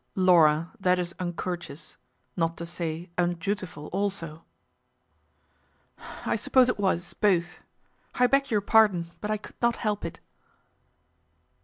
"Laura, that is uncourteous, not to say undutiful also." "I suppose it was, both. I beg your pardon, but I could not help it."